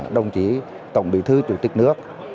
đồng chí tổng bí thư chủ tịch nước